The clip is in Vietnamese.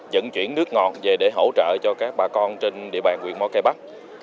dẫn chuyển nước ngọt về để hỗ trợ cho các bà con trên địa bàn quyện mói cây bắc